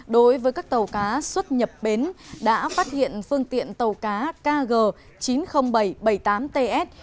đối với các tàu cá xuất nhập bến đã phát hiện phương tiện tàu cá kg chín trăm linh bảy bảy mươi tám ts